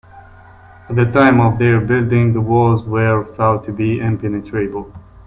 At the time of their building, the walls were thought to be impenetrable.